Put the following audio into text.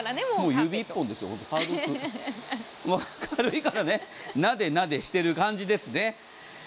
もう指一本ですよ、軽いからナデナデしている感じですね。